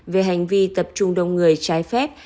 về hành vi tập trung đông người trái phép